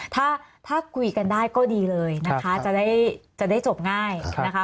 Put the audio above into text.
ถ้าคุยกันได้ก็ดีเลยนะคะจะได้จบง่ายนะคะ